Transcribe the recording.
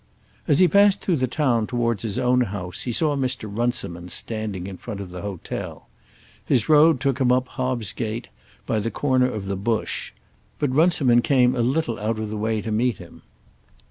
As he passed through the town towards his own house, he saw Mr. Runciman standing in front of the hotel. His road took him up Hobbs gate, by the corner of the Bush; but Runciman came a little out of the way to meet him.